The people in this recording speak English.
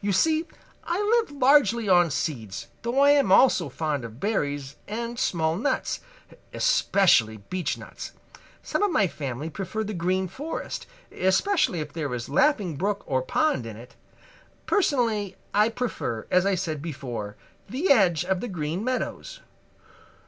You see, I live largely on seeds, though I am also fond of berries and small nuts, especially beechnuts. Some of my family prefer the Green Forest, especially if there is a Laughing Brook or pond in it. Personally I prefer, as I said before, the edge of the Green Meadows."